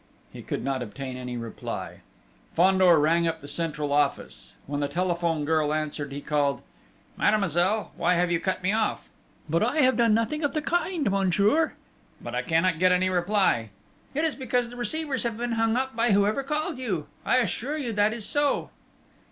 He could not obtain any reply. Fandor rang up the central office. When the telephone girl answered, he called: "Mademoiselle, why have you cut me off?" "But I have done nothing of the kind, monsieur!" "But I cannot get any reply!" "It is because the receivers have been hung up by whoever called you. I assure you that is so."